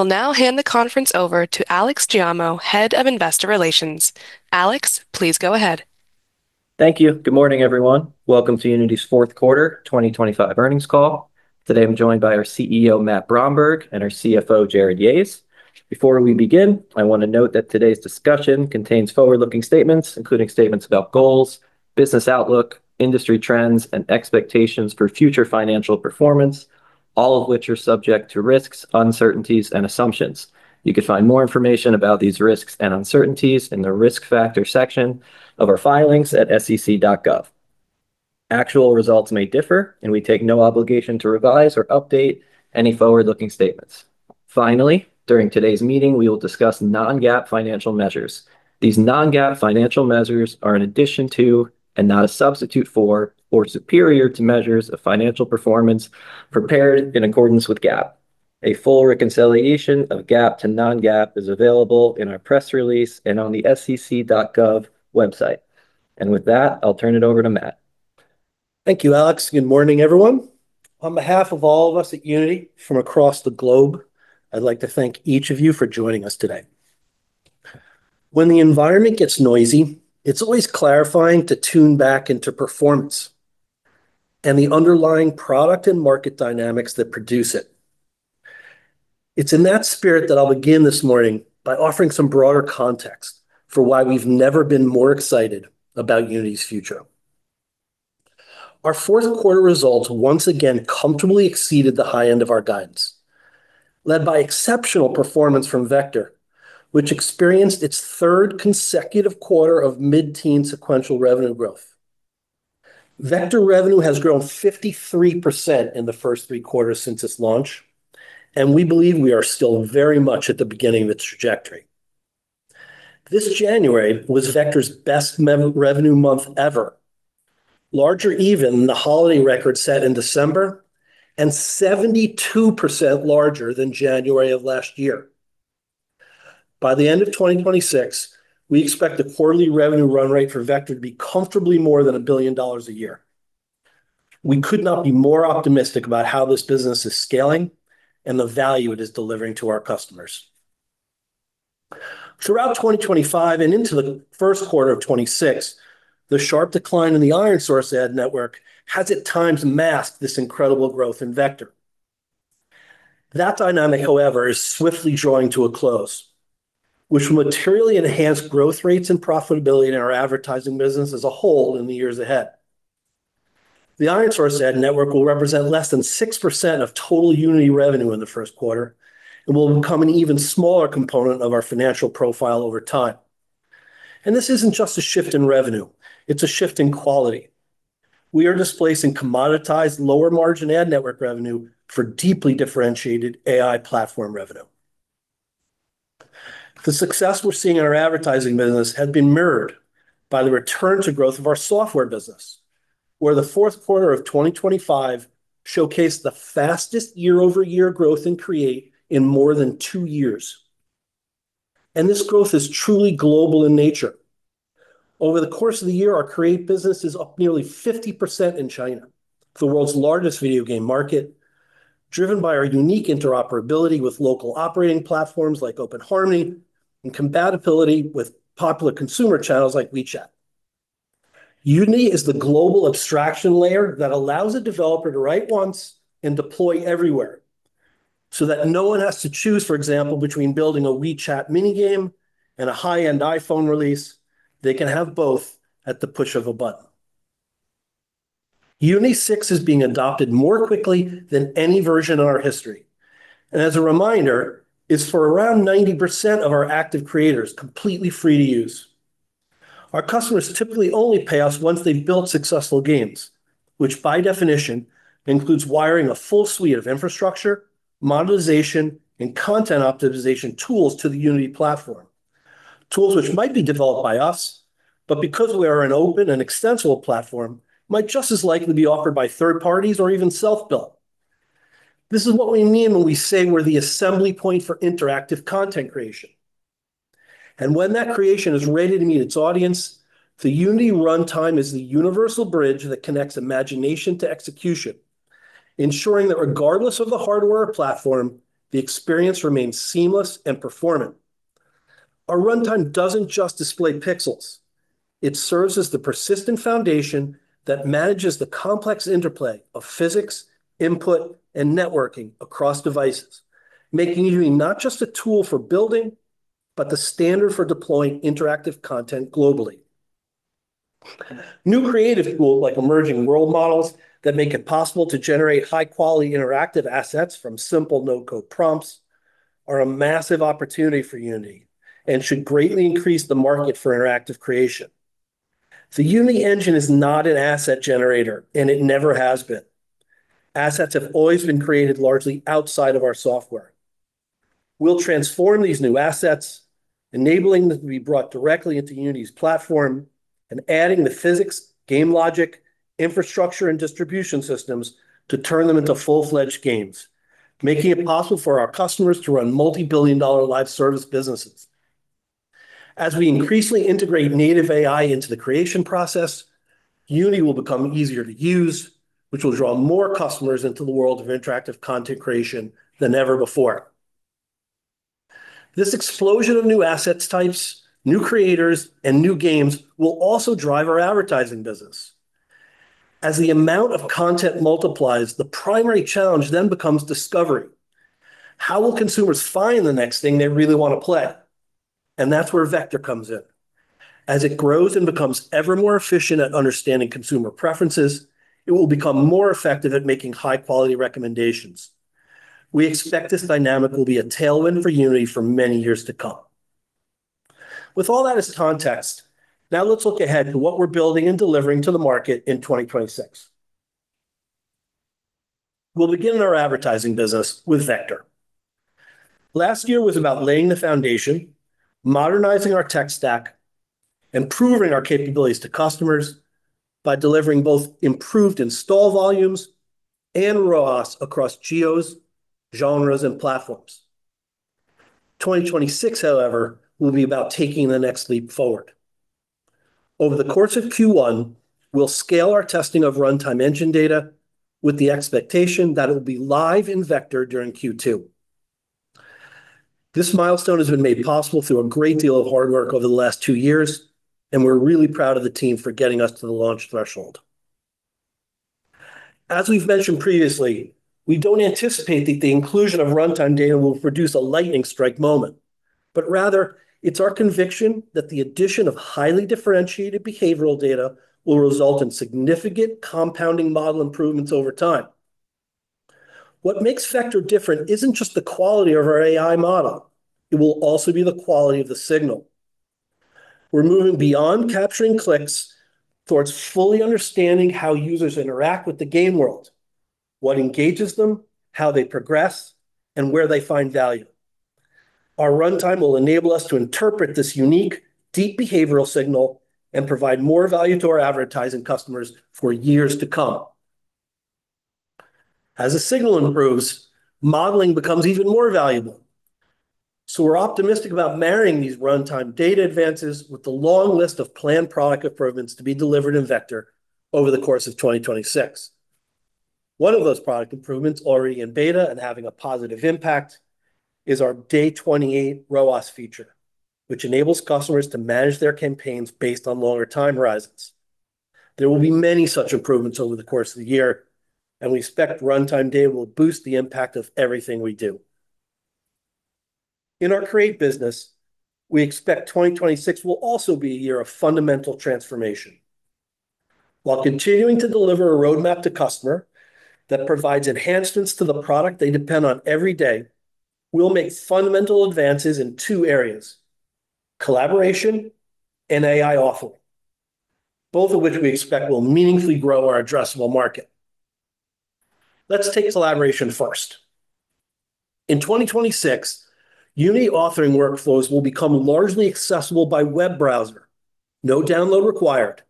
I'll now hand the conference over to Alex Giannikoulis, Head of Investor Relations. Alex, please go ahead. Thank you. Good morning, everyone. Welcome to Unity's fourth quarter 2025 earnings call. Today, I'm joined by our CEO, Matt Bromberg, and our CFO, Jarrod Yahes. Before we begin, I wanna note that today's discussion contains forward-looking statements, including statements about goals, business outlook, industry trends, and expectations for future financial performance, all of which are subject to risks, uncertainties, and assumptions. You can find more information about these risks and uncertainties in the risk factors section of our filings at sec.gov. Actual results may differ, and we take no obligation to revise or update any forward-looking statements. Finally, during today's meeting, we will discuss non-GAAP financial measures. These non-GAAP financial measures are in addition to, and not a substitute for, or superior to, measures of financial performance prepared in accordance with GAAP. A full reconciliation of GAAP to non-GAAP is available in our press release and on the SEC.gov website. With that, I'll turn it over to Matt. Thank you, Alex. Good morning, everyone. On behalf of all of us at Unity from across the globe, I'd like to thank each of you for joining us today. When the environment gets noisy, it's always clarifying to tune back into performance and the underlying product and market dynamics that produce it. It's in that spirit that I'll begin this morning by offering some broader context for why we've never been more excited about Unity's future. Our fourth quarter results once again comfortably exceeded the high end of our guidance, led by exceptional performance from Vector, which experienced its third consecutive quarter of mid-teen sequential revenue growth. Vector revenue has grown 53% in the first three quarters since its launch, and we believe we are still very much at the beginning of its trajectory. This January was Vector's best revenue month ever. Larger even than the holiday record set in December, and 72% larger than January of last year. By the end of 2026, we expect the quarterly revenue run rate for Vector to be comfortably more than $1 billion a year. We could not be more optimistic about how this business is scaling and the value it is delivering to our customers. Throughout 2025 and into the first quarter of 2026, the sharp decline in the ironSource ad network has at times masked this incredible growth in Vector. That dynamic, however, is swiftly drawing to a close, which will materially enhance growth rates and profitability in our advertising business as a whole in the years ahead. The ironSource ad network will represent less than 6% of total Unity revenue in the first quarter and will become an even smaller component of our financial profile over time. This isn't just a shift in revenue, it's a shift in quality. We are displacing commoditized, lower-margin ad network revenue for deeply differentiated AI platform revenue. The success we're seeing in our advertising business has been mirrored by the return to growth of our software business, where the fourth quarter of 2025 showcased the fastest year-over-year growth in Create in more than two years, and this growth is truly global in nature. Over the course of the year, our Create business is up nearly 50% in China, the world's largest video game market, driven by our unique interoperability with local operating platforms like OpenHarmony and compatibility with popular consumer channels like WeChat. Unity is the global abstraction layer that allows a developer to write once and deploy everywhere, so that no one has to choose, for example, between building a WeChat mini game and a high-end iPhone release. They can have both at the push of a button. Unity 6 is being adopted more quickly than any version in our history, and as a reminder, it's for around 90% of our active creators, completely free to use. Our customers typically only pay us once they've built successful games, which, by definition, includes wiring a full suite of infrastructure, monetization, and content optimization tools to the Unity platform. Tools which might be developed by us, but because we are an open and extensible platform, might just as likely be offered by third parties or even self-built. This is what we mean when we say we're the assembly point for interactive content creation. When that creation is ready to meet its audience, the Unity Runtime is the universal bridge that connects imagination to execution, ensuring that regardless of the hardware or platform, the experience remains seamless and performant. Our runtime doesn't just display pixels. It serves as the persistent foundation that manages the complex interplay of physics, input, and networking across devices, making Unity not just a tool for building, but the standard for deploying interactive content globally. New creative tools, like emerging World Models, that make it possible to generate high-quality interactive assets from simple no-code prompts, are a massive opportunity for Unity and should greatly increase the market for interactive creation. The Unity Engine is not an asset generator, and it never has been. Assets have always been created largely outside of our software. We'll transform these new assets, enabling them to be brought directly into Unity's platform and adding the physics, game logic, infrastructure, and distribution systems to turn them into full-fledged games, making it possible for our customers to run multi-billion dollar live service businesses. As we increasingly integrate native AI into the creation process, Unity will become easier to use, which will draw more customers into the world of interactive content creation than ever before. This explosion of new assets types, new creators, and new games will also drive our advertising business. As the amount of content multiplies, the primary challenge then becomes discovery. How will consumers find the next thing they really wanna play? And that's where Vector comes in. As it grows and becomes ever more efficient at understanding consumer preferences, it will become more effective at making high-quality recommendations. We expect this dynamic will be a tailwind for Unity for many years to come. With all that as context, now let's look ahead to what we're building and delivering to the market in 2026. We'll begin in our advertising business with Vector. Last year was about laying the foundation, modernizing our tech stack, and proving our capabilities to customers by delivering both improved install volumes and ROAS across geos, genres, and platforms. 2026, however, will be about taking the next leap forward. Over the course of Q1, we'll scale our testing of Runtime Engine Data with the expectation that it'll be live in Vector during Q2. This milestone has been made possible through a great deal of hard work over the last two years, and we're really proud of the team for getting us to the launch threshold. As we've mentioned previously, we don't anticipate that the inclusion of runtime data will produce a lightning strike moment, but rather, it's our conviction that the addition of highly differentiated behavioral data will result in significant compounding model improvements over time. What makes Vector different isn't just the quality of our AI model, it will also be the quality of the signal. We're moving beyond capturing clicks towards fully understanding how users interact with the game world, what engages them, how they progress, and where they find value. Our runtime will enable us to interpret this unique, deep behavioral signal and provide more value to our advertising customers for years to come. As the signal improves, modeling becomes even more valuable. So we're optimistic about marrying these runtime data advances with the long list of planned product improvements to be delivered in Vector over the course of 2026. One of those product improvements, already in beta and having a positive impact, is our Day-28 ROAS feature, which enables customers to manage their campaigns based on longer time horizons. There will be many such improvements over the course of the year, and we expect runtime data will boost the impact of everything we do. In our Create business, we expect 2026 will also be a year of fundamental transformation. While continuing to deliver a roadmap to customer that provides enhancements to the product they depend on every day, we'll make fundamental advances in two areas: collaboration and AI authoring, both of which we expect will meaningfully grow our addressable market. Let's take collaboration first. In 2026, Unity authoring workflows will become largely accessible by web browser, no download required,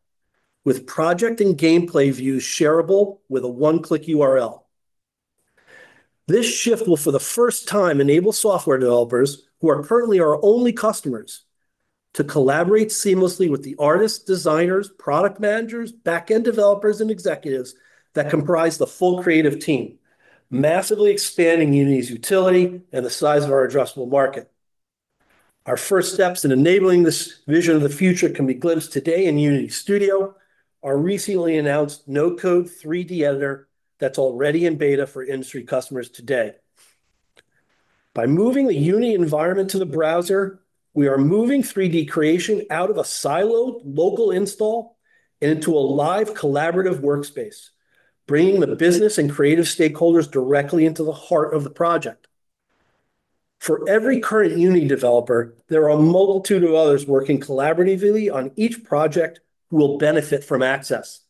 with project and gameplay views shareable with a one-click URL. This shift will, for the first time, enable software developers, who are currently our only customers, to collaborate seamlessly with the artists, designers, product managers, back-end developers, and executives that comprise the full creative team, massively expanding Unity's utility and the size of our addressable market. Our first steps in enabling this vision of the future can be glimpsed today in Unity Studio, our recently announced no-code 3D editor that's already in beta for industry customers today. By moving the Unity environment to the browser, we are moving 3D creation out of a siloed local install and into a live, collaborative workspace, bringing the business and creative stakeholders directly into the heart of the project. For every current Unity developer, there are a multitude of others working collaboratively on each project who will benefit from access.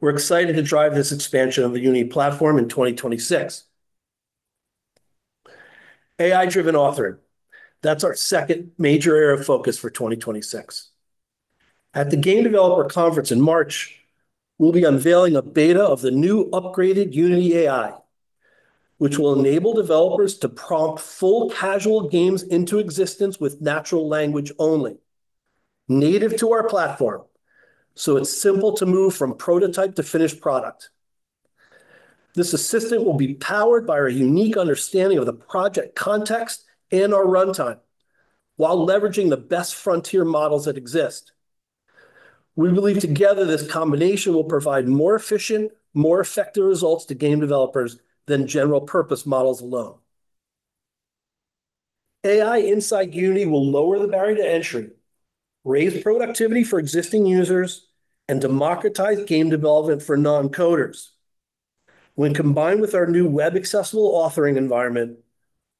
We're excited to drive this expansion of the Unity platform in 2026. AI-driven authoring, that's our second major area of focus for 2026. At the Game Developer Conference in March, we'll be unveiling a beta of the new upgraded Unity AI, which will enable developers to prompt full casual games into existence with natural language only, native to our platform, so it's simple to move from prototype to finished product. This assistant will be powered by our unique understanding of the project context and our runtime, while leveraging the best frontier models that exist. We believe together, this combination will provide more efficient, more effective results to game developers than general-purpose models alone. AI inside Unity will lower the barrier to entry, raise productivity for existing users, and democratize game development for non-coders. When combined with our new web-accessible authoring environment,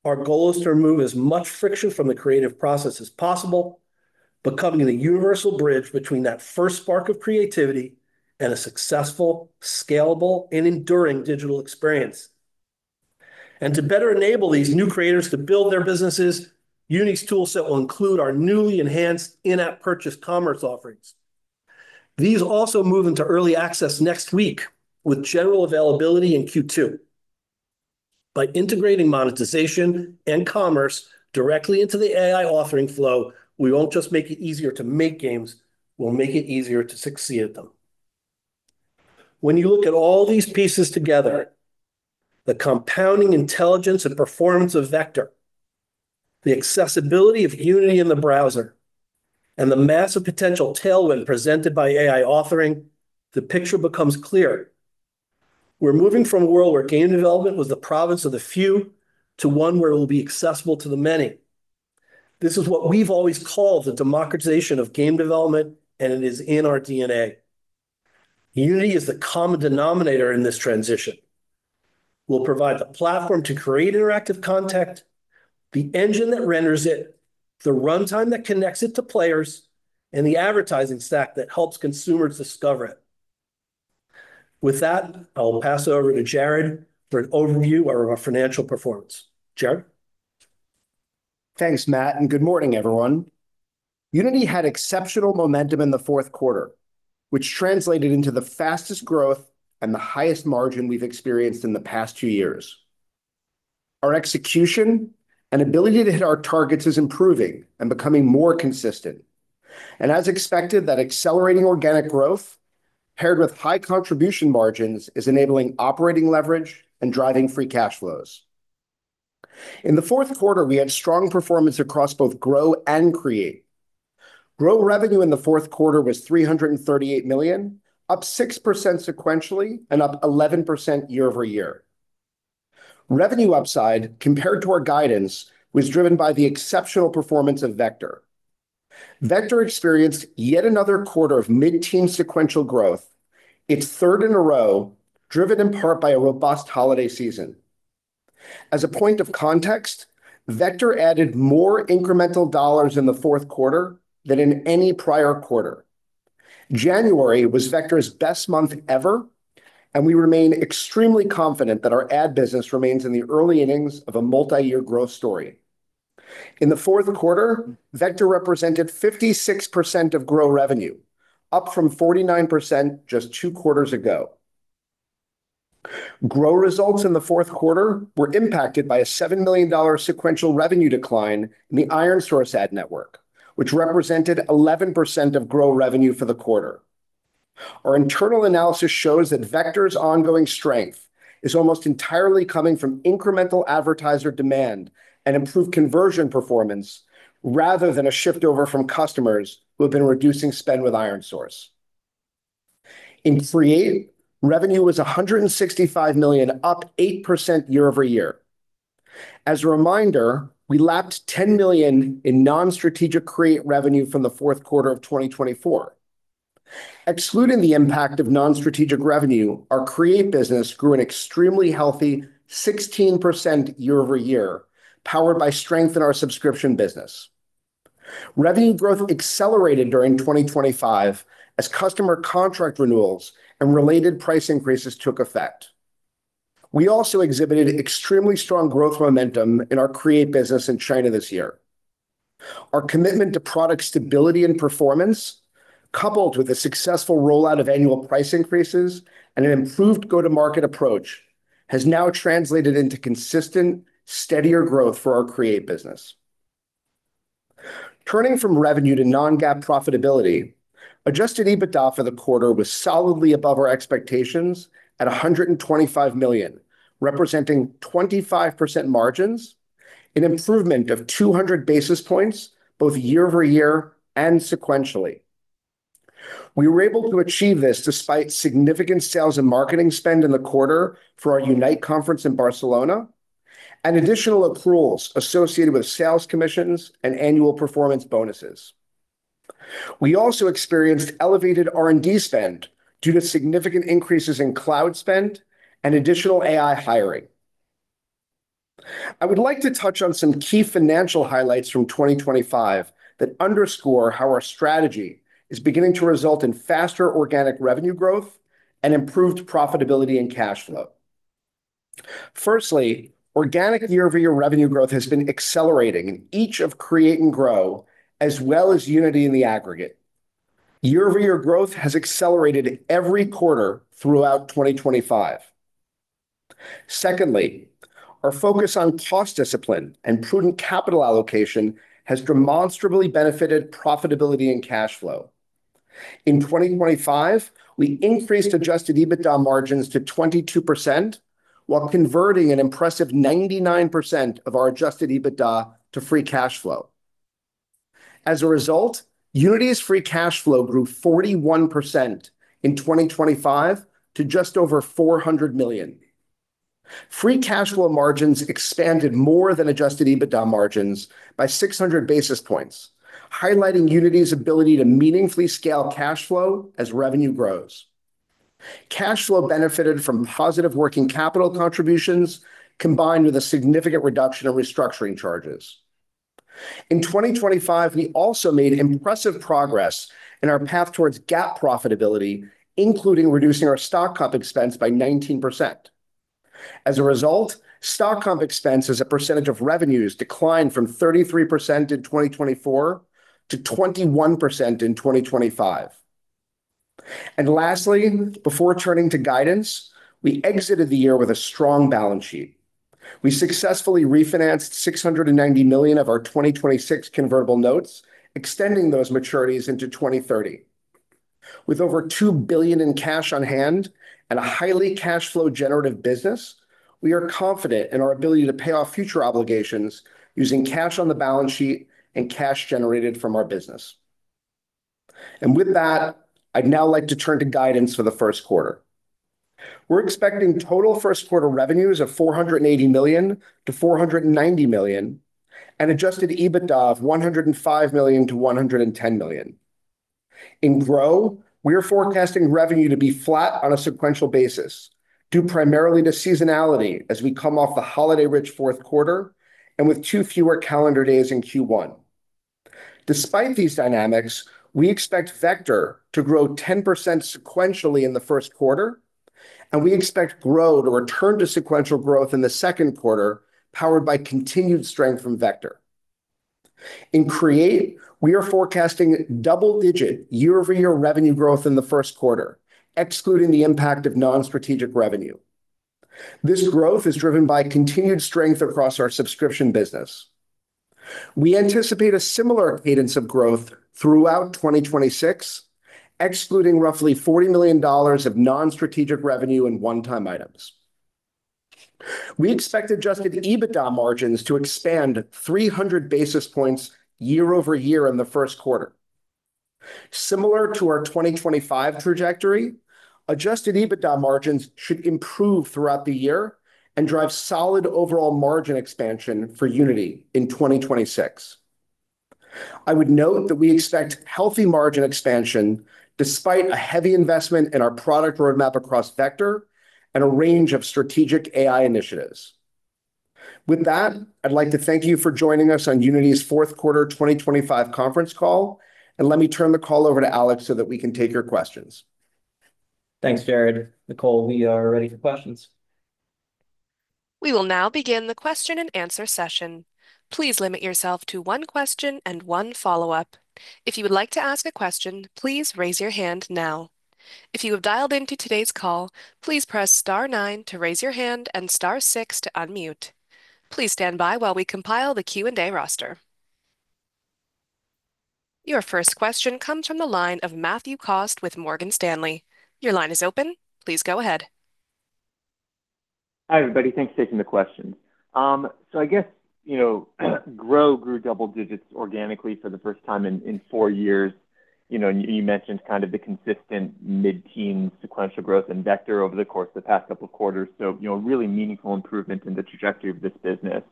our goal is to remove as much friction from the creative process as possible, becoming the universal bridge between that first spark of creativity and a successful, scalable, and enduring digital experience. To better enable these new creators to build their businesses, Unity's toolset will include our newly enhanced in-app purchase commerce offerings. These also move into early access next week, with general availability in Q2. By integrating monetization and commerce directly into the AI authoring flow, we won't just make it easier to make games, we'll make it easier to succeed at them. When you look at all these pieces together, the compounding intelligence and performance of Vector, the accessibility of Unity in the browser, and the massive potential tailwind presented by AI authoring, the picture becomes clear. We're moving from a world where game development was the province of the few, to one where it will be accessible to the many. This is what we've always called the democratization of game development, and it is in our DNA. Unity is the common denominator in this transition. We'll provide the platform to create interactive content, the engine that renders it, the runtime that connects it to players, and the advertising stack that helps consumers discover it. With that, I will pass it over to Jarrod for an overview of our financial performance. Jarrod? Thanks, Matt, and good morning, everyone. Unity had exceptional momentum in the fourth quarter, which translated into the fastest growth and the highest margin we've experienced in the past two years. Our execution and ability to hit our targets is improving and becoming more consistent, and as expected, that accelerating organic growth, paired with high contribution margins, is enabling operating leverage and driving free cash flows. In the fourth quarter, we had strong performance across both Grow and Create. Grow revenue in the fourth quarter was $338 million, up 6% sequentially and up 11% year-over-year. Revenue upside, compared to our guidance, was driven by the exceptional performance of Vector. Vector experienced yet another quarter of mid-teen sequential growth, its third in a row, driven in part by a robust holiday season. As a point of context, Vector added more incremental dollars in the fourth quarter than in any prior quarter. January was Vector's best month ever, and we remain extremely confident that our ad business remains in the early innings of a multi-year growth story. In the fourth quarter, Vector represented 56% of Grow revenue, up from 49% just two quarters ago. Grow results in the fourth quarter were impacted by a $7 million sequential revenue decline in the ironSource ad network, which represented 11% of Grow revenue for the quarter. Our internal analysis shows that Vector's ongoing strength is almost entirely coming from incremental advertiser demand and improved conversion performance, rather than a shift over from customers who have been reducing spend with ironSource. In Create, revenue was $165 million, up 8% year-over-year. As a reminder, we lapped $10 million in non-strategic Create revenue from the fourth quarter of 2024. Excluding the impact of non-strategic revenue, our Create business grew an extremely healthy 16% year-over-year, powered by strength in our subscription business. Revenue growth accelerated during 2025 as customer contract renewals and related price increases took effect. We also exhibited extremely strong growth momentum in our Create business in China this year. Our commitment to product stability and performance, coupled with a successful rollout of annual price increases and an improved go-to-market approach, has now translated into consistent, steadier growth for our Create business. Turning from revenue to non-GAAP profitability, Adjusted EBITDA for the quarter was solidly above our expectations at $125 million, representing 25% margins, an improvement of 200 basis points, both year-over-year and sequentially. We were able to achieve this despite significant sales and marketing spend in the quarter for our Unite conference in Barcelona and additional accruals associated with sales commissions and annual performance bonuses. We also experienced elevated R&D spend due to significant increases in cloud spend and additional AI hiring. I would like to touch on some key financial highlights from 2025 that underscore how our strategy is beginning to result in faster organic revenue growth and improved profitability and cash flow. Firstly, organic year-over-year revenue growth has been accelerating in each of Create and Grow, as well as Unity in the aggregate. Year-over-year growth has accelerated every quarter throughout 2025. Secondly, our focus on cost discipline and prudent capital allocation has demonstrably benefited profitability and cash flow. In 2025, we increased Adjusted EBITDA margins to 22%, while converting an impressive 99% of our Adjusted EBITDA to free cash flow. As a result, Unity's free cash flow grew 41% in 2025 to just over $400 million. Free cash flow margins expanded more than Adjusted EBITDA margins by 600 basis points, highlighting Unity's ability to meaningfully scale cash flow as revenue grows. Cash flow benefited from positive working capital contributions, combined with a significant reduction in restructuring charges. In 2025, we also made impressive progress in our path towards GAAP profitability, including reducing our stock comp expense by 19%. As a result, stock comp expense as a percentage of revenues declined from 33% in 2024 to 21% in 2025.... Lastly, before turning to guidance, we exited the year with a strong balance sheet. We successfully refinanced $690 million of our 2026 convertible notes, extending those maturities into 2030. With over $2 billion in cash on hand and a highly cash flow generative business, we are confident in our ability to pay off future obligations using cash on the balance sheet and cash generated from our business. With that, I'd now like to turn to guidance for the first quarter. We're expecting total first quarter revenues of $480 million-$490 million, and Adjusted EBITDA of $105 million-$110 million. In Grow, we are forecasting revenue to be flat on a sequential basis, due primarily to seasonality as we come off the holiday-rich fourth quarter and with two fewer calendar days in Q1. Despite these dynamics, we expect Vector to grow 10% sequentially in the first quarter, and we expect Grow to return to sequential growth in the second quarter, powered by continued strength from Vector. In Create, we are forecasting double-digit year-over-year revenue growth in the first quarter, excluding the impact of non-strategic revenue. This growth is driven by continued strength across our subscription business. We anticipate a similar cadence of growth throughout 2026, excluding roughly $40 million of non-strategic revenue and one-time items. We expect adjusted EBITDA margins to expand 300 basis points year over year in the first quarter. Similar to our 2025 trajectory, adjusted EBITDA margins should improve throughout the year and drive solid overall margin expansion for Unity in 2026. I would note that we expect healthy margin expansion despite a heavy investment in our product roadmap across Vector and a range of strategic AI initiatives. With that, I'd like to thank you for joining us on Unity's fourth quarter 2025 conference call, and let me turn the call over to Alex so that we can take your questions. Thanks, Jarrod. Nicole, we are ready for questions. We will now begin the question and answer session. Please limit yourself to one question and one follow-up. If you would like to ask a question, please raise your hand now. If you have dialed into today's call, please press star nine to raise your hand and star six to unmute. Please stand by while we compile the Q&A roster. Your first question comes from the line of Matthew Cost with Morgan Stanley. Your line is open. Please go ahead. Hi, everybody. Thanks for taking the question. So I guess, you know, Grow grew double digits organically for the first time in four years. You know, and you mentioned kind of the consistent mid-teen sequential growth in Vector over the course of the past couple of quarters. So, you know, really meaningful improvement in the trajectory of this business.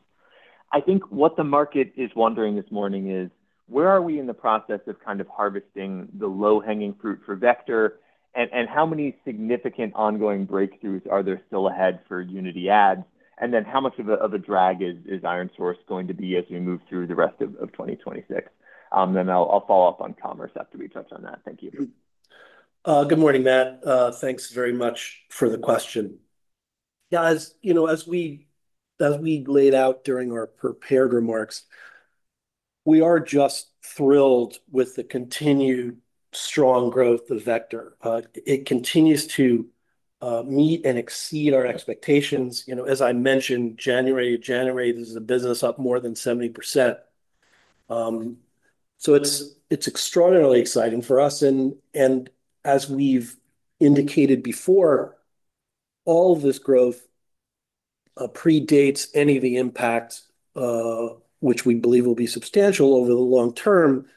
I think what the market is wondering this morning is: where are we in the process of kind of harvesting the low-hanging fruit for Vector? And how many significant ongoing breakthroughs are there still ahead for Unity Ads? And then how much of a drag is ironSource going to be as we move through the rest of 2026? Then I'll follow up on commerce after we touch on that. Thank you. Good morning, Matt. Thanks very much for the question. Yeah, as you know, as we laid out during our prepared remarks, we are just thrilled with the continued strong growth of Vector. It continues to meet and exceed our expectations. You know, as I mentioned, January, January, this is a business up more than 70%. So it's extraordinarily exciting for us, and as we've indicated before, all of this growth predates any of the impacts, which we believe will be substantial over the long term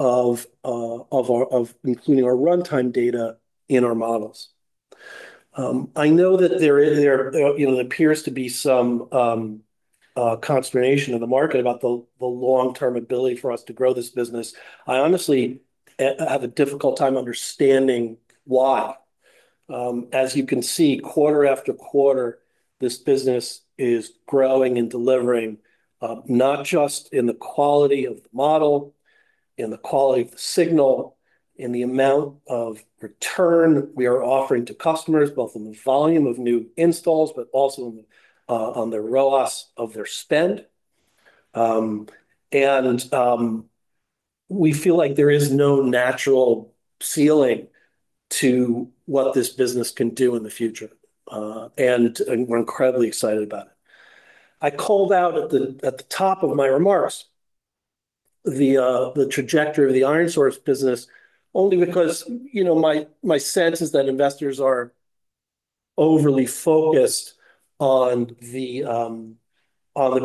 of our including our runtime data in our models. I know that there is, you know, there appears to be some consternation in the market about the long-term ability for us to grow this business. I honestly have a difficult time understanding why. As you can see, quarter after quarter, this business is growing and delivering, not just in the quality of the model, in the quality of the signal, in the amount of return we are offering to customers, both on the volume of new installs, but also on the ROAS of their spend. We feel like there is no natural ceiling to what this business can do in the future, and we're incredibly excited about it. I called out at the, at the top of my remarks, the trajectory of the ironSource business only because, you know, my sense is that investors are overly focused on the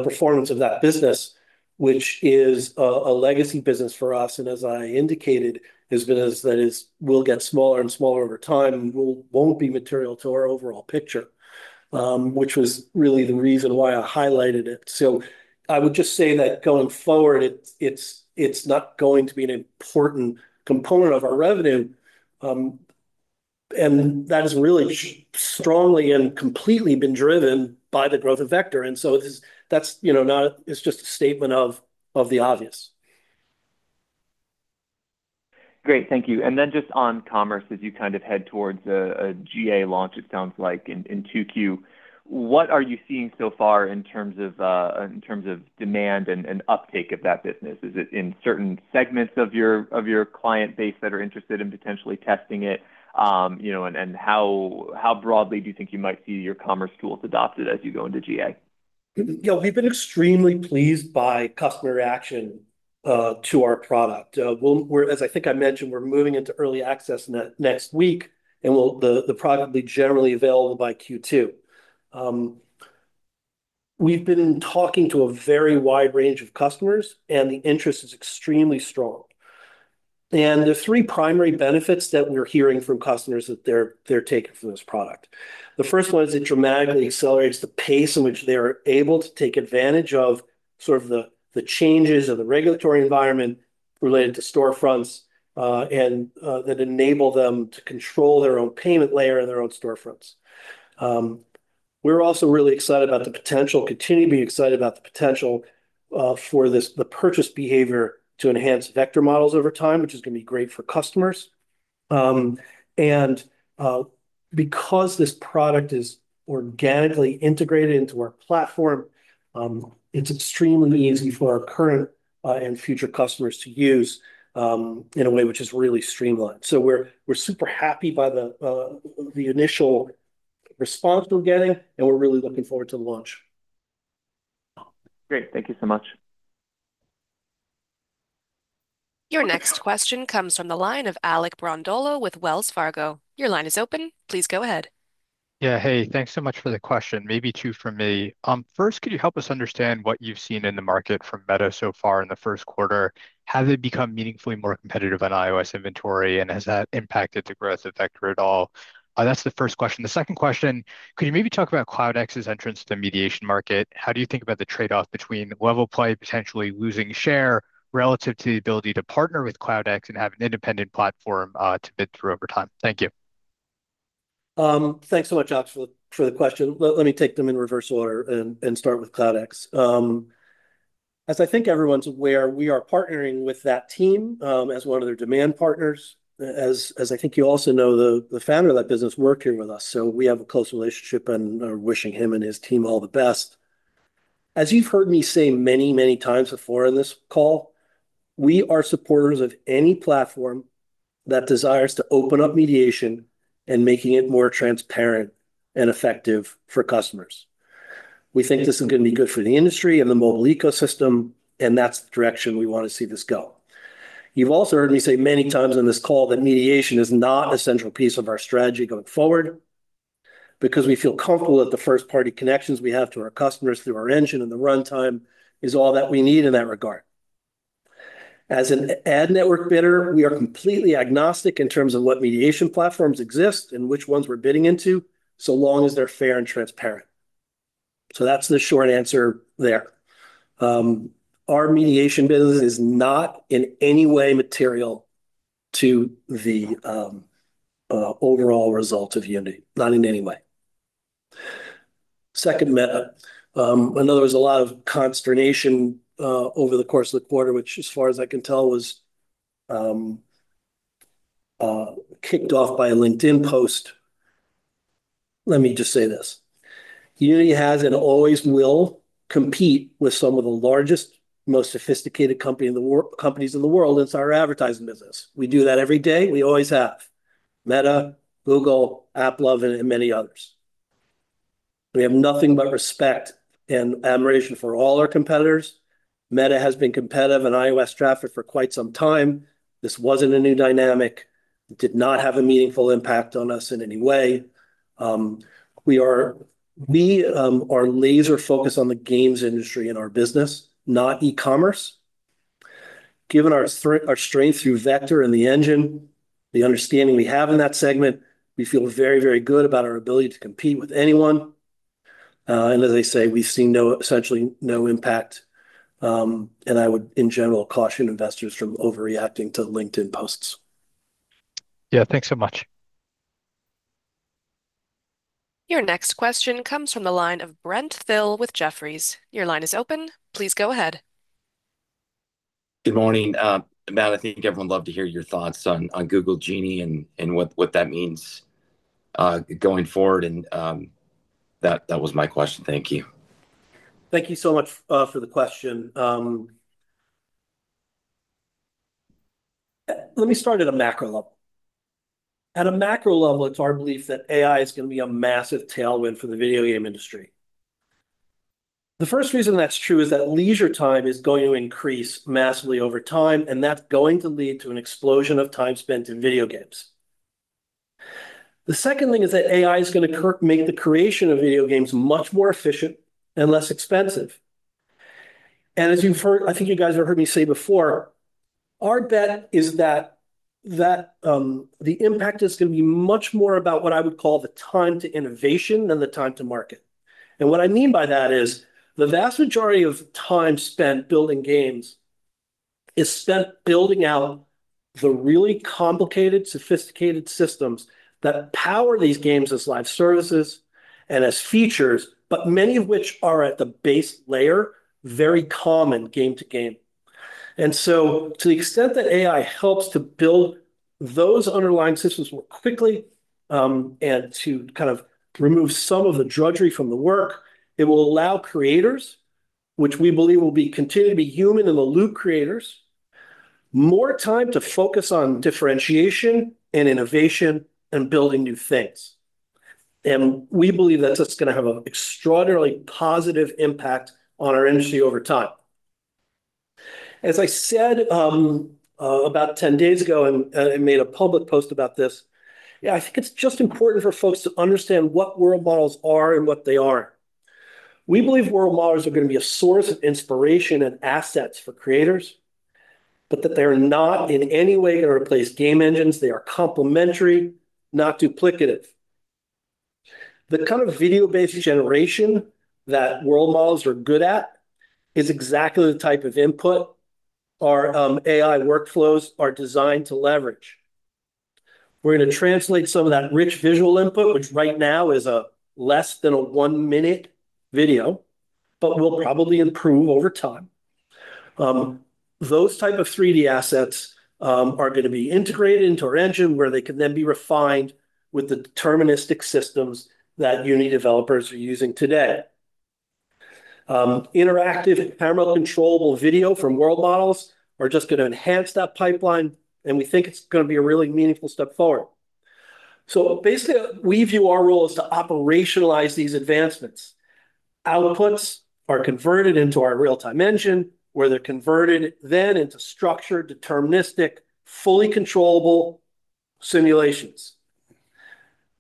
performance of that business, which is a legacy business for us, and as I indicated, is a business that will get smaller and smaller over time and won't be material to our overall picture, which was really the reason why I highlighted it. So I would just say that going forward, it's not going to be an important component of our revenue, and that has really strongly and completely been driven by the growth of Vector. And so that's, you know, not... It's just a statement of the obvious.... Great. Thank you. And then just on commerce, as you kind of head towards a GA launch, it sounds like in 2Q, what are you seeing so far in terms of demand and uptake of that business? Is it in certain segments of your client base that are interested in potentially testing it? You know, and how broadly do you think you might see your commerce tools adopted as you go into GA? Yeah, we've been extremely pleased by customer reaction to our product. As I think I mentioned, we're moving into early access next week, and the product will be generally available by Q2. We've been talking to a very wide range of customers, and the interest is extremely strong. The three primary benefits that we're hearing from customers that they're taking from this product: the first one is it dramatically accelerates the pace in which they are able to take advantage of sort of the changes of the regulatory environment related to storefronts, and that enable them to control their own payment layer and their own storefronts. We're also really excited about the potential, continue to be excited about the potential, for this, the purchase behavior to enhance Vector models over time, which is gonna be great for customers. Because this product is organically integrated into our platform, it's extremely easy for our current and future customers to use in a way which is really streamlined. So we're, we're super happy by the initial response we're getting, and we're really looking forward to the launch. Great. Thank you so much. Your next question comes from the line of Alec Brondolo with Wells Fargo. Your line is open. Please go ahead. Yeah, hey, thanks so much for the question. Maybe two for me. First, could you help us understand what you've seen in the market from Meta so far in the first quarter? Have they become meaningfully more competitive on iOS inventory, and has that impacted the growth of Vector at all? That's the first question. The second question, could you maybe talk about CloudX's entrance to the mediation market? How do you think about the trade-off between LevelPlay potentially losing share relative to the ability to partner with CloudX and have an independent platform, to bid through over time? Thank you. Thanks so much, Alex, for the question. Well, let me take them in reverse order and start with CloudX. As I think everyone's aware, we are partnering with that team as one of their demand partners. As I think you also know, the founder of that business worked here with us, so we have a close relationship and are wishing him and his team all the best. As you've heard me say many, many times before on this call, we are supporters of any platform that desires to open up mediation and making it more transparent and effective for customers. We think this is gonna be good for the industry and the mobile ecosystem, and that's the direction we want to see this go. You've also heard me say many times on this call that mediation is not a central piece of our strategy going forward, because we feel comfortable that the first-party connections we have to our customers through our engine and the runtime is all that we need in that regard. As an ad network bidder, we are completely agnostic in terms of what mediation platforms exist and which ones we're bidding into, so long as they're fair and transparent. So that's the short answer there. Our mediation business is not in any way material to the overall result of Unity, not in any way. Second, Meta. I know there was a lot of consternation over the course of the quarter, which, as far as I can tell, was kicked off by a LinkedIn post. Let me just say this: Unity has and always will compete with some of the largest, most sophisticated company in the world—companies in the world. It's our advertising business. We do that every day, and we always have. Meta, Google, AppLovin, and many others. We have nothing but respect and admiration for all our competitors. Meta has been competitive in iOS traffic for quite some time. This wasn't a new dynamic. It did not have a meaningful impact on us in any way. We are laser focused on the games industry and our business, not e-commerce. Given our strength, our strength through Vector and the engine, the understanding we have in that segment, we feel very, very good about our ability to compete with anyone. And as I say, we've seen essentially no impact, and I would, in general, caution investors from overreacting to LinkedIn posts. Yeah. Thanks so much. Your next question comes from the line of Brent Thill with Jefferies. Your line is open. Please go ahead. Good morning. Matt, I think everyone would love to hear your thoughts on Google Genie and what that means going forward. That was my question. Thank you. Thank you so much for the question. Let me start at a macro level. At a macro level, it's our belief that AI is gonna be a massive tailwind for the video game industry. The first reason that's true is that leisure time is going to increase massively over time, and that's going to lead to an explosion of time spent in video games. The second thing is that AI is gonna make the creation of video games much more efficient and less expensive. As you've heard... I think you guys have heard me say before, our bet is that the impact is gonna be much more about what I would call the time to innovation than the time to market. And what I mean by that is, the vast majority of time spent building games is spent building out the really complicated, sophisticated systems that power these games as live services and as features, but many of which are, at the base layer, very common game to game... and so to the extent that AI helps to build those underlying systems more quickly, and to kind of remove some of the drudgery from the work, it will allow creators, which we believe will continue to be human-in-the-loop creators, more time to focus on differentiation and innovation and building new things. And we believe that's just gonna have an extraordinarily positive impact on our industry over time. As I said, about 10 days ago, I made a public post about this, yeah, I think it's just important for folks to understand what World Models are and what they aren't. We believe World Models are gonna be a source of inspiration and assets for creators, but that they are not in any way gonna replace game engines. They are complementary, not duplicative. The kind of video-based generation that World Models are good at is exactly the type of input our AI workflows are designed to leverage. We're gonna translate some of that rich visual input, which right now is less than a 1-minute video, but will probably improve over time. Those type of 3D assets are gonna be integrated into our engine, where they can then be refined with the deterministic systems that Unity developers are using today. Interactive, camera-controllable video from World Models are just gonna enhance that pipeline, and we think it's gonna be a really meaningful step forward. So basically, we view our role is to operationalize these advancements. Outputs are converted into our real-time engine, where they're converted then into structured, deterministic, fully controllable simulations,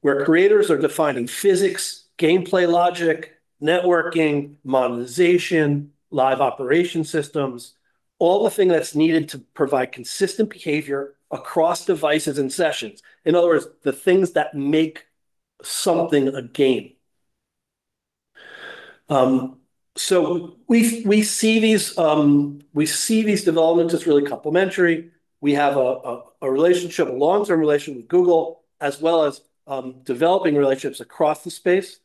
where creators are defining physics, gameplay logic, networking, monetization, live operation systems, all the thing that's needed to provide consistent behavior across devices and sessions. In other words, the things that make something a game. So we see these developments as really complementary. We have a long-term relationship with Google, as well as developing relationships across the space.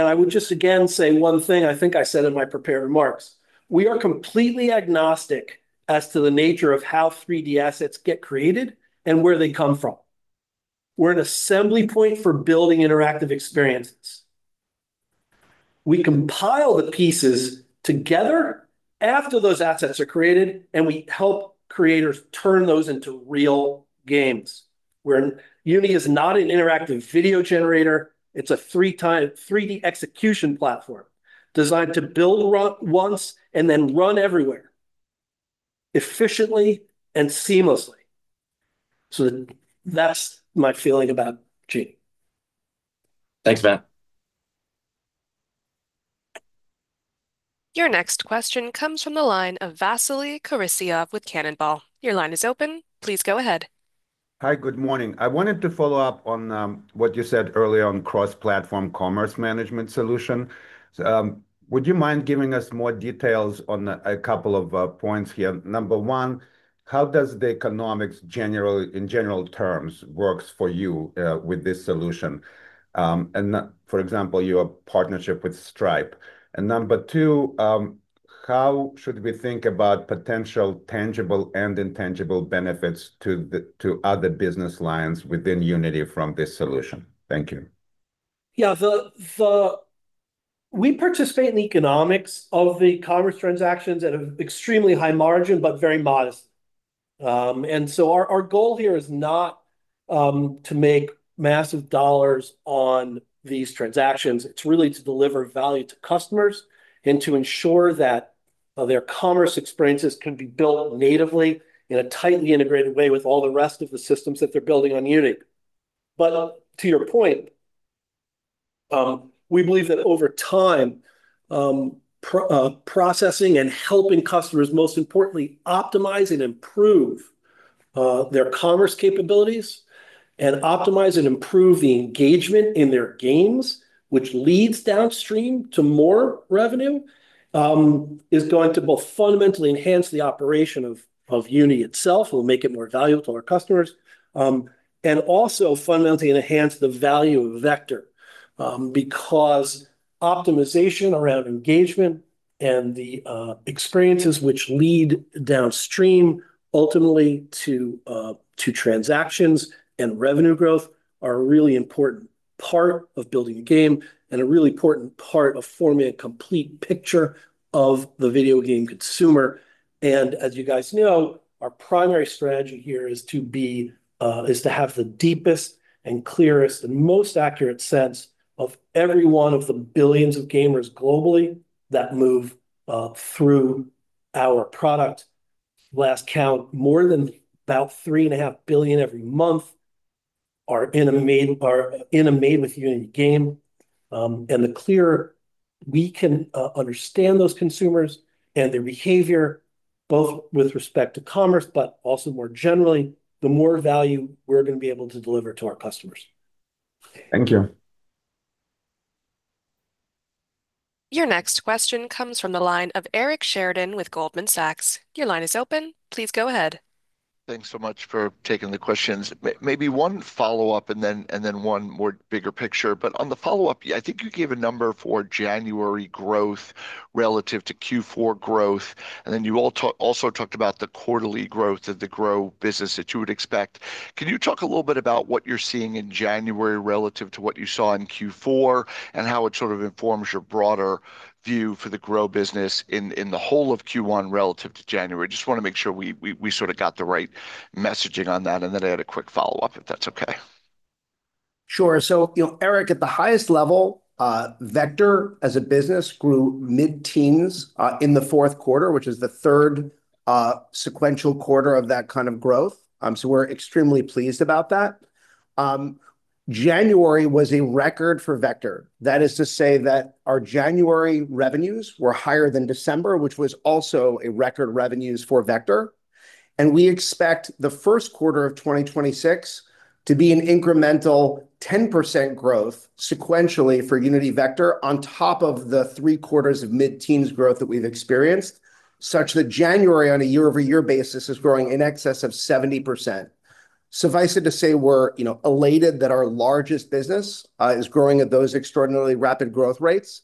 I would just again say one thing I think I said in my prepared remarks: We are completely agnostic as to the nature of how 3D assets get created and where they come from. We're an assembly point for building interactive experiences. We compile the pieces together after those assets are created, and we help creators turn those into real games, where Unity is not an interactive video generator, it's a 3D execution platform designed to build once and then run everywhere, efficiently and seamlessly. So that's my feeling about Genie. Thanks, Matt. Your next question comes from the line of Vasily Karasyov with Cannonball. Your line is open. Please go ahead. Hi, good morning. I wanted to follow up on what you said earlier on cross-platform commerce management solution. So, would you mind giving us more details on a couple of points here? Number one, how does the economics generally, in general terms, works for you with this solution, and, for example, your partnership with Stripe? And number two, how should we think about potential tangible and intangible benefits to other business lines within Unity from this solution? Thank you. Yeah, we participate in the economics of the commerce transactions at an extremely high margin, but very modest. And so our goal here is not to make massive dollars on these transactions. It's really to deliver value to customers and to ensure that their commerce experiences can be built natively in a tightly integrated way with all the rest of the systems that they're building on Unity. But to your point, we believe that over time, processing and helping customers, most importantly, optimize and improve their commerce capabilities and optimize and improve the engagement in their games, which leads downstream to more revenue, is going to both fundamentally enhance the operation of Unity itself, will make it more valuable to our customers, and also fundamentally enhance the value of Vector. Because optimization around engagement and the experiences which lead downstream ultimately to transactions and revenue growth are a really important part of building a game and a really important part of forming a complete picture of the video game consumer. And as you guys know, our primary strategy here is to have the deepest and clearest and most accurate sense of every one of the billions of gamers globally that move through our product. Last count, more than about 3.5 billion every month are in a made with Unity game. And the clearer we can understand those consumers and their behavior, both with respect to commerce, but also more generally, the more value we're gonna be able to deliver to our customers. Thank you. Your next question comes from the line of Eric Sheridan with Goldman Sachs. Your line is open. Please go ahead. ... Thanks so much for taking the questions. Maybe one follow-up and then one more bigger picture. But on the follow-up, yeah, I think you gave a number for January growth relative to Q4 growth, and then you also talked about the quarterly growth of the Grow business that you would expect. Can you talk a little bit about what you're seeing in January relative to what you saw in Q4, and how it sort of informs your broader view for the Grow business in the whole of Q1 relative to January? Just wanna make sure we sorta got the right messaging on that, and then I had a quick follow-up, if that's okay. Sure. So, you know, Eric, at the highest level, Vector as a business grew mid-teens in the fourth quarter, which is the third sequential quarter of that kind of growth, so we're extremely pleased about that. January was a record for Vector. That is to say that our January revenues were higher than December, which was also a record revenues for Vector, and we expect the first quarter of 2026 to be an incremental 10% growth sequentially for Unity Vector, on top of the three quarters of mid-teens growth that we've experienced, such that January on a year-over-year basis is growing in excess of 70%. Suffice it to say, we're, you know, elated that our largest business is growing at those extraordinarily rapid growth rates.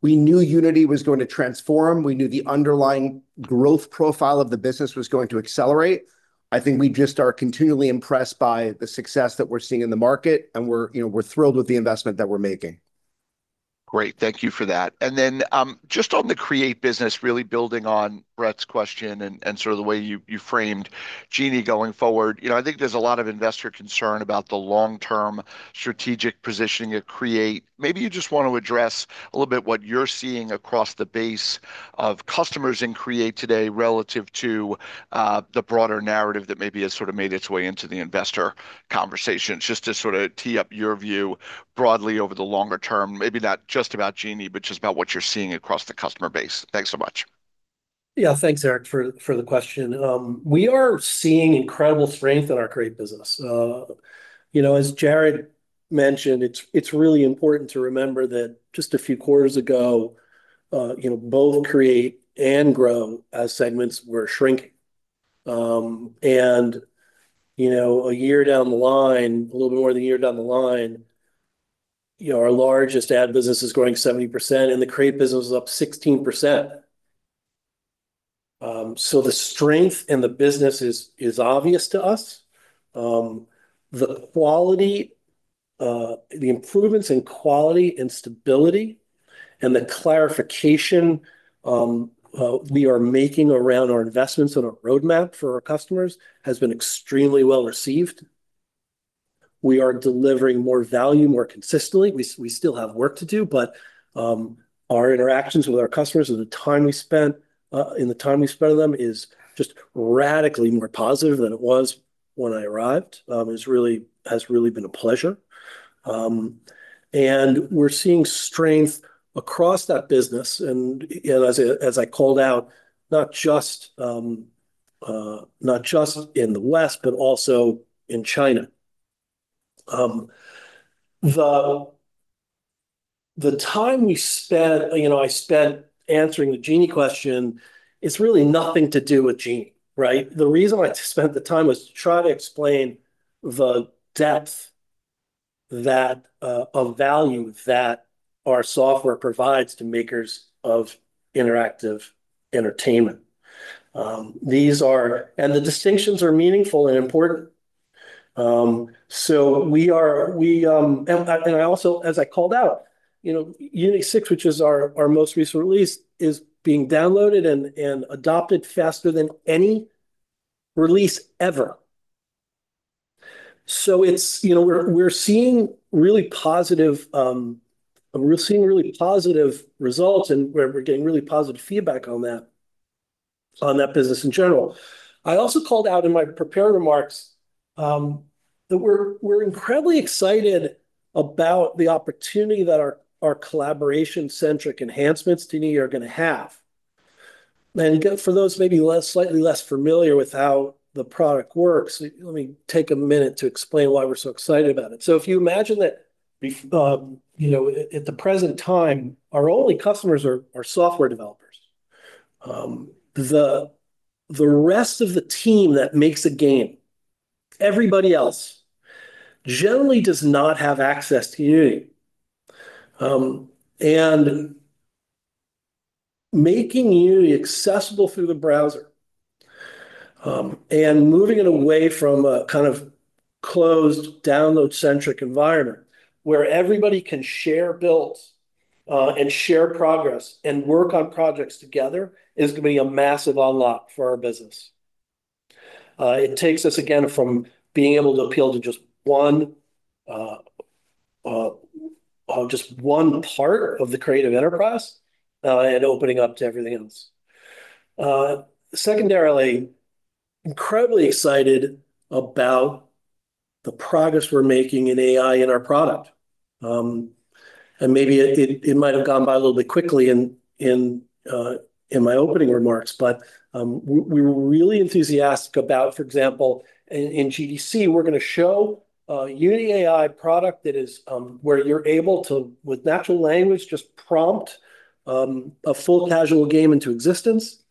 We knew Unity was going to transform. We knew the underlying growth profile of the business was going to accelerate. I think we just are continually impressed by the success that we're seeing in the market, and we're, you know, we're thrilled with the investment that we're making. Great. Thank you for that. And then, just on the Create business, really building on Brett's question and sort of the way you framed Genie going forward, you know, I think there's a lot of investor concern about the long-term strategic positioning at Create. Maybe you just want to address a little bit what you're seeing across the base of customers in Create today, relative to the broader narrative that maybe has sorta made its way into the investor conversations. Just to sorta tee up your view broadly over the longer term, maybe not just about Genie, but just about what you're seeing across the customer base. Thanks so much. Yeah. Thanks, Eric, for the question. We are seeing incredible strength in our Create business. You know, as Jarrod mentioned, it's really important to remember that just a few quarters ago, you know, both Create and Grow as segments were shrinking. And, you know, a year down the line, a little bit more than a year down the line, you know, our largest ad business is growing 70%, and the Create business is up 16%. So the strength in the business is obvious to us. The quality, the improvements in quality and stability and the clarification we are making around our investments on our roadmap for our customers has been extremely well-received. We are delivering more value more consistently. We still have work to do, but our interactions with our customers and the time we've spent with them is just radically more positive than it was when I arrived. It's really been a pleasure. And we're seeing strength across that business, and you know, as I called out, not just in the West, but also in China. The time we spent, you know, I spent answering the Genie question, it's really nothing to do with Genie, right? The reason I spent the time was to try to explain the depth of value that our software provides to makers of interactive entertainment. And the distinctions are meaningful and important. So we... I also, as I called out, you know, Unity 6, which is our, our most recent release, is being downloaded and adopted faster than any release ever. So it's, you know, we're, we're seeing really positive, we're seeing really positive results, and we're, we're getting really positive feedback on that, on that business in general. I also called out in my prepared remarks, that we're, we're incredibly excited about the opportunity that our, our collaboration-centric enhancements to Genie are gonna have. For those maybe less, slightly less familiar with how the product works, let me take a minute to explain why we're so excited about it. So if you imagine, you know, at, at the present time, our only customers are, are software developers. The rest of the team that makes a game, everybody else, generally does not have access to Unity. And making Unity accessible through the browser, and moving it away from a kind of closed, download-centric environment, where everybody can share builds, and share progress, and work on projects together, is gonna be a massive unlock for our business. It takes us, again, from being able to appeal to just one part of the creative enterprise, and opening up to everything else. Secondarily, incredibly excited about the progress we're making in AI in our product. And maybe it might have gone by a little bit quickly in my opening remarks, but we were really enthusiastic about... For example, in GDC, we're gonna show a Unity AI product that is where you're able to, with natural language, just prompt a full casual game into existence,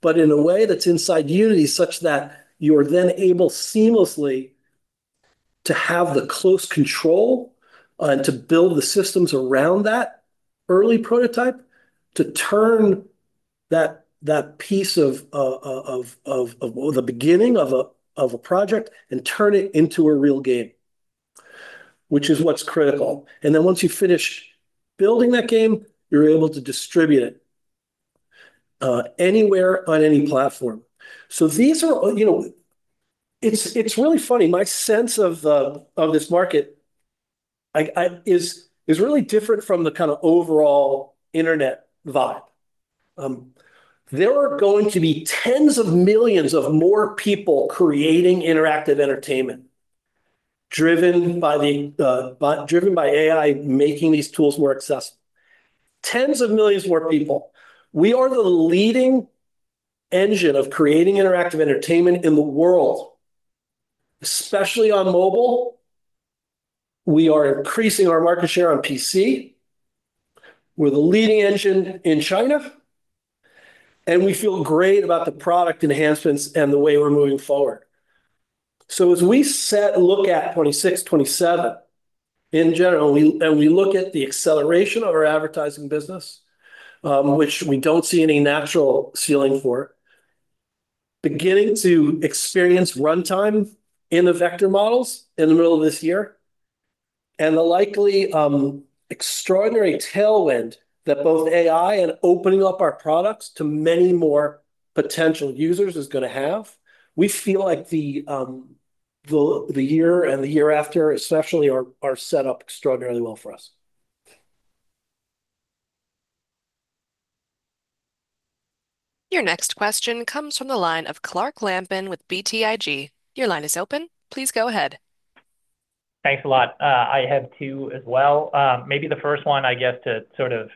but in a way that's inside Unity, such that you're then able seamlessly to have the close control and to build the systems around that early prototype, to turn that piece of the beginning of a project and turn it into a real game, which is what's critical. And then once you finish building that game, you're able to distribute it anywhere on any platform. So these are, you know, it's really funny. My sense of this market is really different from the kind of overall internet vibe. There are going to be tens of millions of more people creating interactive entertainment, driven by AI, making these tools more accessible. Tens of millions more people. We are the leading engine of creating interactive entertainment in the world, especially on mobile. We are increasing our market share on PC. We're the leading engine in China, and we feel great about the product enhancements and the way we're moving forward. So as we look at 2026, 2027, in general, and we look at the acceleration of our advertising business, which we don't see any natural ceiling for, beginning to experience runtime in the Vector models in the middle of this year, and the likely, extraordinary tailwind that both AI and opening up our products to many more potential users is gonna have. We feel like the year and the year after, especially, are set up extraordinarily well for us. Your next question comes from the line of Clark Lampen with BTIG. Your line is open. Please go ahead. Thanks a lot. I have two as well. Maybe the first one, I guess, to sort of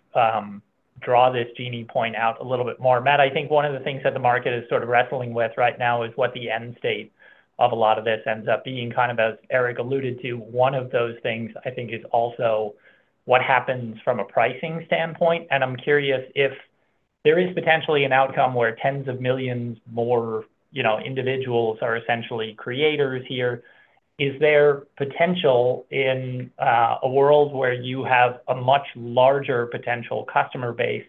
draw this Genie point out a little bit more. Matt, I think one of the things that the market is sort of wrestling with right now is what the end state of a lot of this ends up being. Kind of, as Eric alluded to, one of those things, I think, is also what happens from a pricing standpoint. And I'm curious if there is potentially an outcome where tens of millions more, you know, individuals are essentially creators here. Is there potential in a world where you have a much larger potential customer base,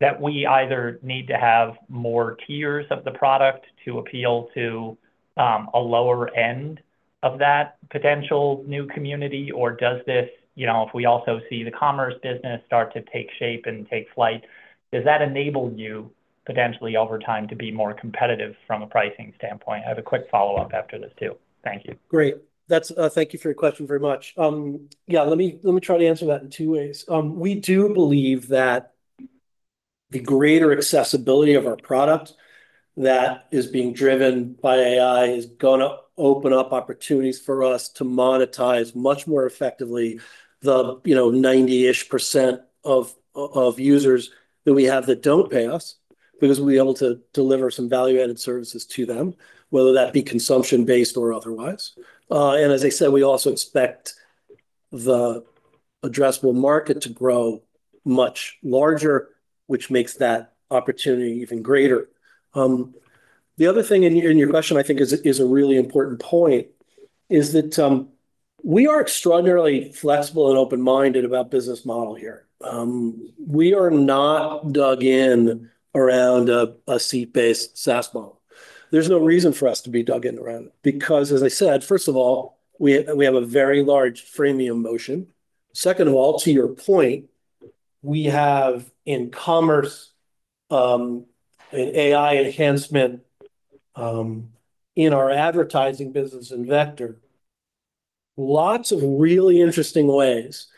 that we either need to have more tiers of the product to appeal to a lower end of that potential new community? Or does this... You know, if we also see the commerce business start to take shape and take flight, does that enable you, potentially over time, to be more competitive from a pricing standpoint? I have a quick follow-up after this, too. Thank you. Great. That's, Thank you for your question very much. Yeah, let me, let me try to answer that in two ways. We do believe that the greater accessibility of our product that is being driven by AI is gonna open up opportunities for us to monetize much more effectively the, you know, 90-ish% of, of users that we have that don't pay us, because we'll be able to deliver some value-added services to them, whether that be consumption based or otherwise. And as I said, we also expect the addressable market to grow much larger, which makes that opportunity even greater. The other thing in your, in your question, I think is, is a really important point, is that, we are extraordinarily flexible and open-minded about business model here. We are not dug in around a, a seat-based SaaS model. There's no reason for us to be dug in around, because, as I said, first of all, we have a very large freemium motion. Second of all, to your point, we have in commerce, in AI enhancement, in our advertising business in Vector, lots of really interesting ways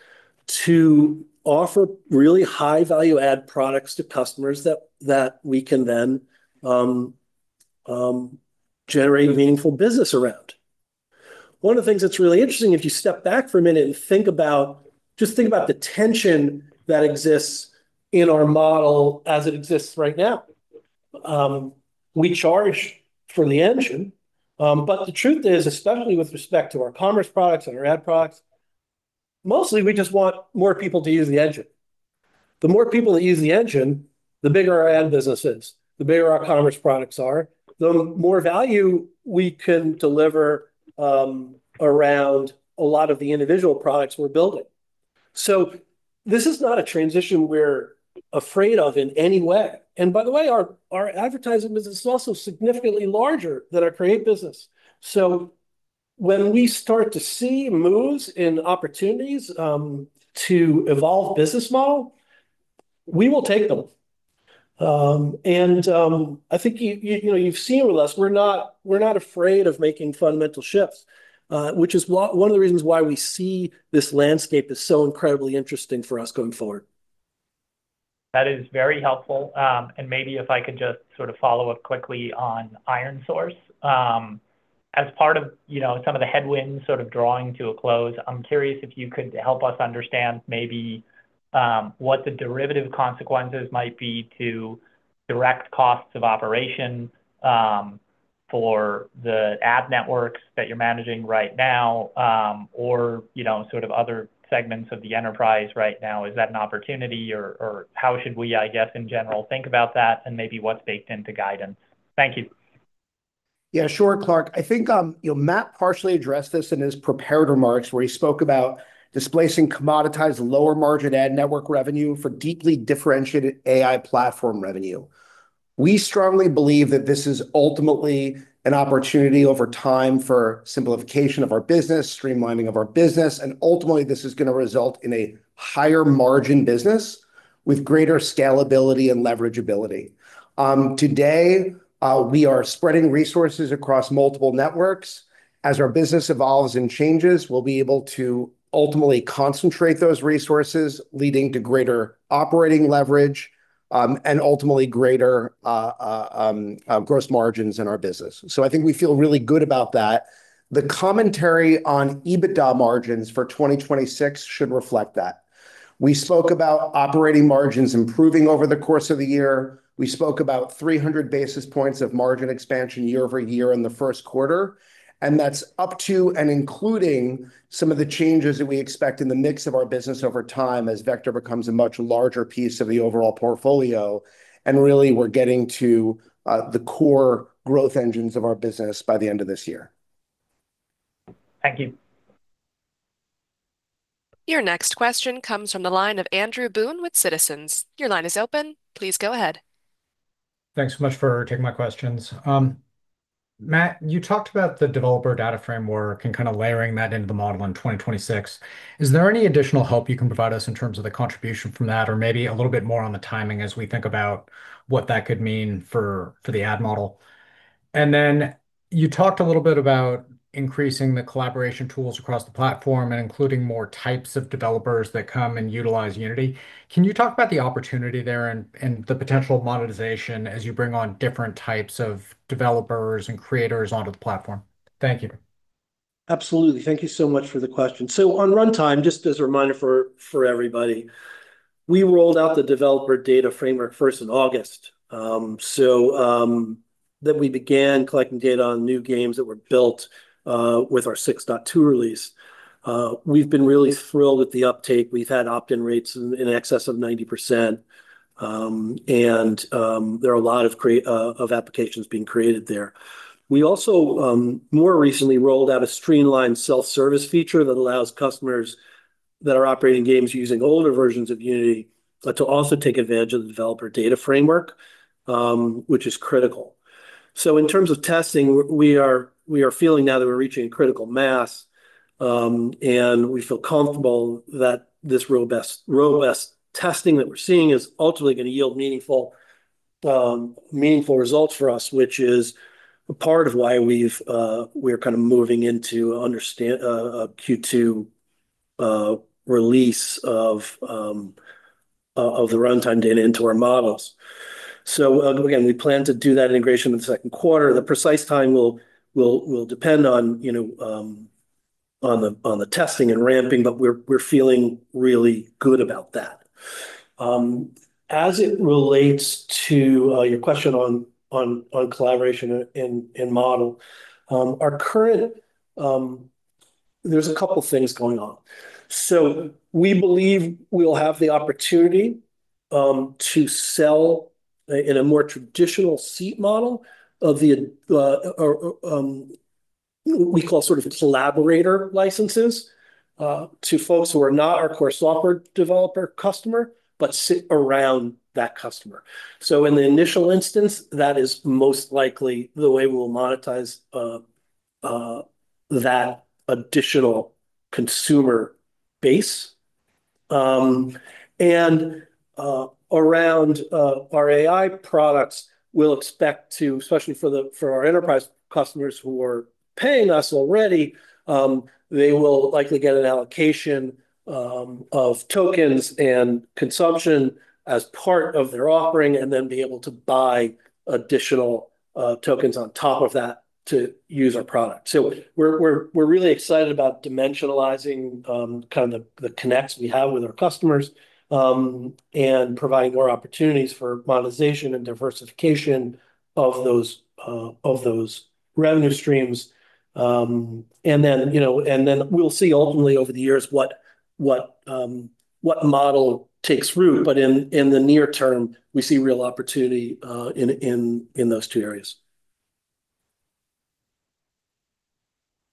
to offer really high value-add products to customers that we can then generate meaningful business around. One of the things that's really interesting, if you step back for a minute and think about, just think about the tension that exists in our model as it exists right now. We charge for the engine, but the truth is, especially with respect to our commerce products and our ad products, mostly, we just want more people to use the engine. The more people that use the engine, the bigger our ad business is, the bigger our commerce products are, the more value we can deliver around a lot of the individual products we're building. So this is not a transition we're afraid of in any way. And by the way, our advertising business is also significantly larger than our Create business. So when we start to see moves and opportunities to evolve business model, we will take them. I think you know, you've seen with us, we're not afraid of making fundamental shifts, which is one of the reasons why we see this landscape as so incredibly interesting for us going forward. That is very helpful. And maybe if I could just sort of follow up quickly on ironSource. As part of, you know, some of the headwinds sort of drawing to a close, I'm curious if you could help us understand maybe what the derivative consequences might be to direct costs of operation for the ad networks that you're managing right now, or, you know, sort of other segments of the enterprise right now. Is that an opportunity, or how should we, I guess, in general, think about that and maybe what's baked into guidance? Thank you.... Yeah, sure, Clark. I think, you know, Matt partially addressed this in his prepared remarks, where he spoke about displacing commoditized lower-margin ad network revenue for deeply differentiated AI platform revenue. We strongly believe that this is ultimately an opportunity over time for simplification of our business, streamlining of our business, and ultimately, this is gonna result in a higher-margin business with greater scalability and leverageability. Today, we are spreading resources across multiple networks. As our business evolves and changes, we'll be able to ultimately concentrate those resources, leading to greater operating leverage, and ultimately greater, gross margins in our business. So I think we feel really good about that. The commentary on EBITDA margins for 2026 should reflect that. We spoke about operating margins improving over the course of the year. We spoke about 300 basis points of margin expansion year-over-year in the first quarter, and that's up to and including some of the changes that we expect in the mix of our business over time, as Vector becomes a much larger piece of the overall portfolio. And really, we're getting to the core growth engines of our business by the end of this year. Thank you. Your next question comes from the line of Andrew Boone with Citizens. Your line is open. Please go ahead. Thanks so much for taking my questions. Matt, you talked about the Developer Data Framework and kinda layering that into the model in 2026. Is there any additional help you can provide us in terms of the contribution from that, or maybe a little bit more on the timing as we think about what that could mean for the ad model? And then you talked a little bit about increasing the collaboration tools across the platform and including more types of developers that come and utilize Unity. Can you talk about the opportunity there and the potential monetization as you bring on different types of developers and creators onto the platform? Thank you. Absolutely. Thank you so much for the question. So on Runtime, just as a reminder for everybody, we rolled out the Developer Data Framework first in August. Then we began collecting data on new games that were built with our 6.2 release. We've been really thrilled with the uptake. We've had opt-in rates in excess of 90%, and there are a lot of Create applications being created there. We also more recently rolled out a streamlined self-service feature that allows customers that are operating games using older versions of Unity to also take advantage of the Developer Data Framework, which is critical. So in terms of testing, we're feeling now that we're reaching a critical mass, and we feel comfortable that this robust testing that we're seeing is ultimately gonna yield meaningful results for us, which is a part of why we're kinda moving into Q2 release of the runtime data into our models. So again, we plan to do that integration in the second quarter. The precise time will depend on, you know, on the testing and ramping, but we're feeling really good about that. As it relates to your question on collaboration and model, our current... There's a couple things going on. So we believe we'll have the opportunity to sell in a more traditional seat model. We call sort of collaborator licenses to folks who are not our core software developer customer but sit around that customer. So in the initial instance, that is most likely the way we'll monetize that additional consumer base. And around our AI products, we'll expect to, especially for our enterprise customers who are paying us already, they will likely get an allocation of tokens and consumption as part of their offering and then be able to buy additional tokens on top of that to use our product. So we're really excited about dimensionalizing kind of the connects we have with our customers and providing more opportunities for monetization and diversification of those revenue streams. And then, you know, we'll see ultimately over the years what model takes root. But in the near term, we see real opportunity in those two areas.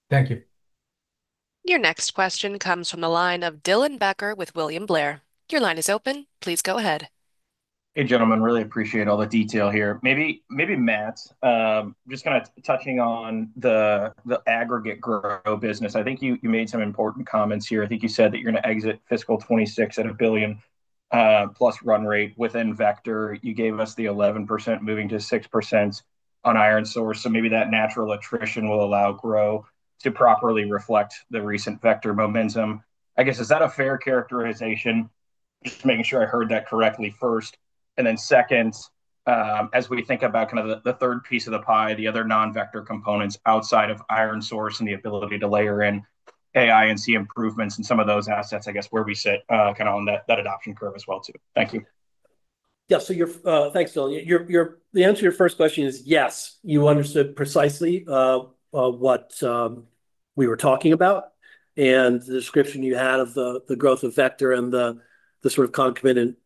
Thank you. Your next question comes from the line of Dylan Becker with William Blair. Your line is open. Please go ahead. Hey, gentlemen, really appreciate all the detail here. Maybe, maybe, Matt, just kinda touching on the aggregate Grow business, I think you made some important comments here. I think you said that you're gonna exit fiscal 2026 at a $1 billion plus run rate within Vector. You gave us the 11% moving to 6% on ironSource, so maybe that natural attrition will allow Grow to properly reflect the recent Vector momentum. I guess, is that a fair characterization? Just making sure I heard that correctly first. And then second, as we think about kind of the third piece of the pie, the other non-Vector components outside of ironSource and the ability to layer in AI and see improvements in some of those assets, I guess, where we sit kinda on that adoption curve as well, too. Thank you. Yeah, so thanks, Dylan. The answer to your first question is yes, you understood precisely what we were talking about, and the description you had of the growth of Vector and the sort of concomitant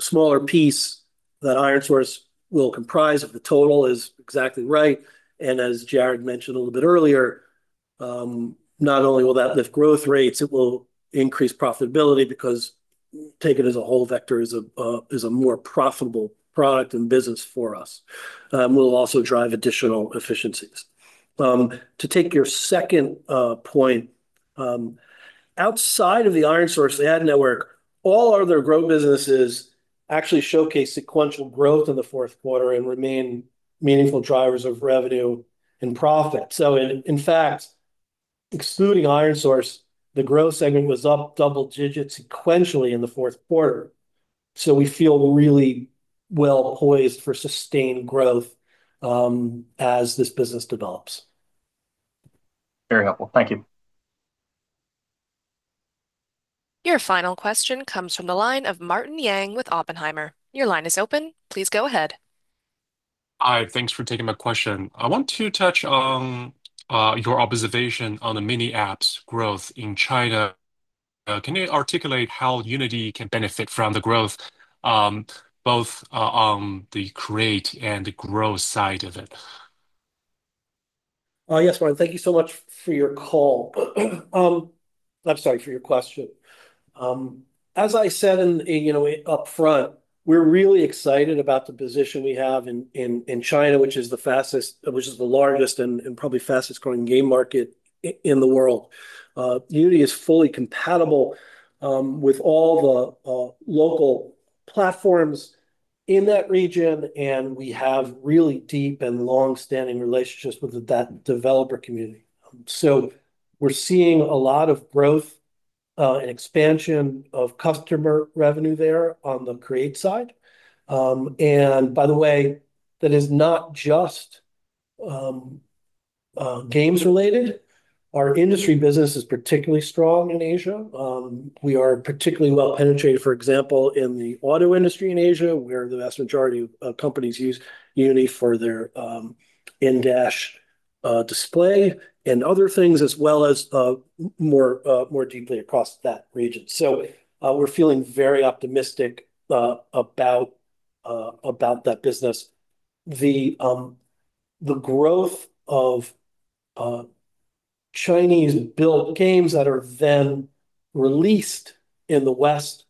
smaller piece that ironSource will comprise of the total is exactly right. And as Jarrod mentioned a little bit earlier, not only will that lift growth rates, it will increase profitability, because taken as a whole, Vector is a more profitable product and business for us. We'll also drive additional efficiencies. To take your second point, outside of the ironSource ad network, all other growth businesses actually showcase sequential growth in the fourth quarter and remain meaningful drivers of revenue and profit. So in fact, excluding ironSource, the growth segment was up double-digit sequentially in the fourth quarter, so we feel really well poised for sustained growth, as this business develops. Very helpful. Thank you. Your final question comes from the line of Martin Yang with Oppenheimer. Your line is open. Please go ahead. Hi, thanks for taking my question. I want to touch on your observation on the mini apps growth in China. Can you articulate how Unity can benefit from the growth, both on the create and the growth side of it? Yes, Martin, thank you so much for your call. I'm sorry, for your question. As I said, you know, upfront, we're really excited about the position we have in China, which is the largest and probably fastest growing game market in the world. Unity is fully compatible with all the local platforms in that region, and we have really deep and long-standing relationships with that developer community. So we're seeing a lot of growth and expansion of customer revenue there on the create side. And by the way, that is not just games related. Our industry business is particularly strong in Asia. We are particularly well penetrated, for example, in the auto industry in Asia, where the vast majority of companies use Unity for their in-dash display and other things, as well as more deeply across that region. So, we're feeling very optimistic about that business. The growth of Chinese-built games that are then released in the West,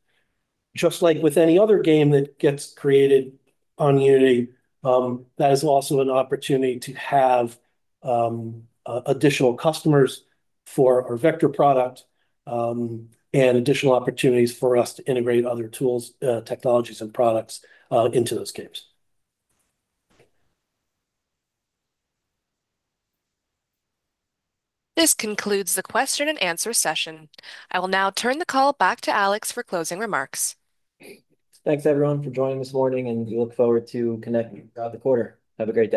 just like with any other game that gets created on Unity, that is also an opportunity to have additional customers for our Vector product, and additional opportunities for us to integrate other tools, technologies, and products into those games. This concludes the question and answer session. I will now turn the call back to Alex for closing remarks. Thanks, everyone, for joining this morning, and we look forward to connecting throughout the quarter. Have a great day.